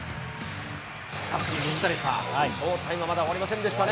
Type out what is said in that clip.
しかし水谷さん、ショータイム、まだ終わりませんでしたね。